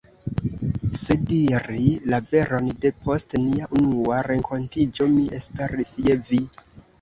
Se diri la veron, de post nia unua renkontiĝo mi esperis je vi!